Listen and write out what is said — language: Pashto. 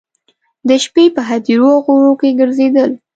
د شپې په هدیرو او غرونو کې ګرځېدل.